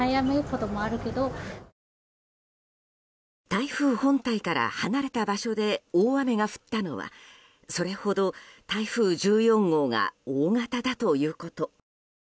台風本体から離れた場所で大雨が降ったのはそれほど台風１４号が大型だということ。